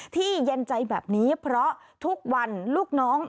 เย็นใจแบบนี้เพราะทุกวันลูกน้อง